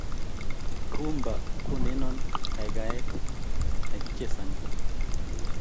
rhumba kondeno kakaikaet nekichesani